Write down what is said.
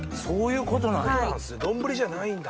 丼じゃないんだ。